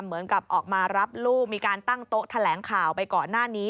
เหมือนกับออกมารับลูกมีการตั้งโต๊ะแถลงข่าวไปก่อนหน้านี้